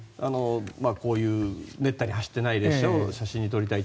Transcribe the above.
こういうめったに走っていない列車を写真に撮りたい。